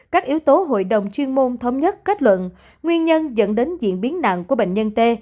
các yếu tố hội đồng chuyên môn thống nhất kết luận nguyên nhân dẫn đến diễn biến nặng của bệnh nhân t